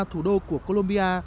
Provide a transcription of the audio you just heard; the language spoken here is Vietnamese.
thủ đô của colombia